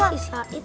tadi si sait